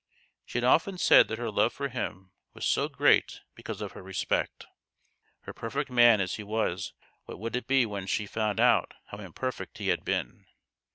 She had often said that her love for him was so great because of her respect. Her perfect man as he was what would it be when she found out how imperfect he had been